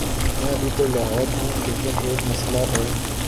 میں ابھی تو لاہور ہوں، لیکن ایک مسلہ ہے۔